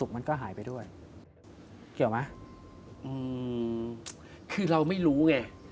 มันเปิดในที่เราไม่รู้ไง